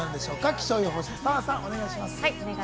気象予報士の澤さん、お願いします。